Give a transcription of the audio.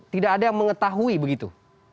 tidak ada yang mengetahui begitu